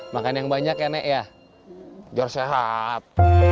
makan yang banyak ya nek ya biar sehat